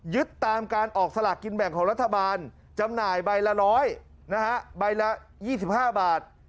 ตามการออกสลากกินแบ่งของรัฐบาลจำหน่ายใบละ๑๐๐นะฮะใบละ๒๕บาท